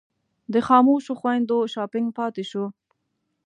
د خاموشو خویندو شاپنګ پاتې شو.